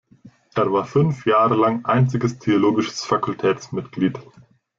Er war fünf Jahre lang einziges theologisches Fakultätsmitglied.